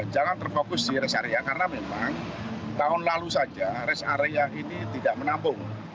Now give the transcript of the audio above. jangan terfokus di rest area karena memang tahun lalu saja rest area ini tidak menampung